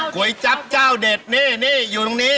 ๋วยจั๊บเจ้าเด็ดนี่นี่อยู่ตรงนี้